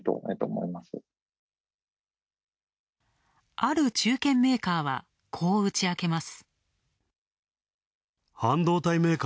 ある中堅メーカーは、こう打ち明けます。